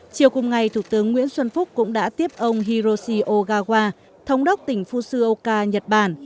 chiều cùng ngày thủ tướng nguyễn xuân phúc cũng đã tiếp ông hiroshi ogawa thống đốc tỉnh fusioka nhật bản